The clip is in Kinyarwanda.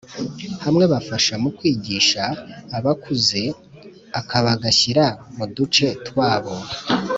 Hamwe bafasha mu kwigisha abakuze akabagashyira mu duce twabo